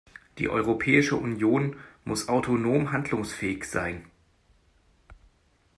Die Europäische Union muss autonom handlungsfähig sein.